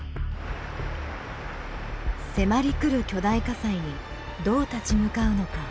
迫りくる巨大火災にどう立ち向かうのか。